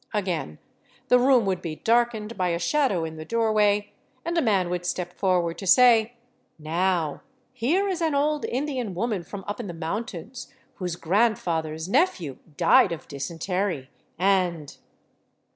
Again the room would be dark ened by a shadow in the doorway, and a man would step forward to say, " Now here is an old Indian woman from up in the mountains whose grandfather's nephew died of dysentery, and